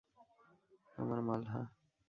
আমার মাল, হাহ?